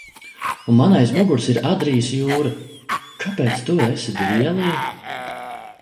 Un man aiz muguras ir Adrijas jūra. Kāpēc tu esi dvielī?